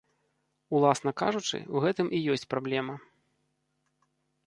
Уласна кажучы, у гэтым і ёсць праблема.